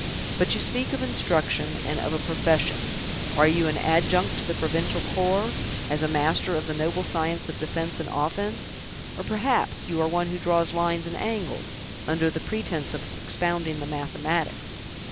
"But you speak of instruction, and of a profession; are you an adjunct to the provincial corps, as a master of the noble science of defense and offense; or, perhaps, you are one who draws lines and angles, under the pretense of expounding the mathematics?"